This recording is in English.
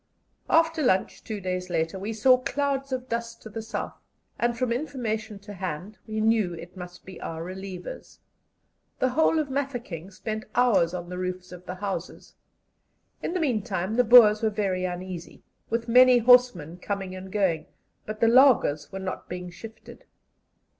After lunch, two days later, we saw clouds of dust to the south, and, from information to hand, we knew it must be our relievers. The whole of Mafeking spent hours on the roofs of the houses. In the meantime the Boers were very uneasy, with many horsemen coming and going, but the laagers were not being shifted.